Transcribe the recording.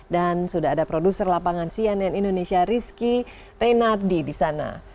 dan sudah ada produser lapangan cnn indonesia rizky renadi di sana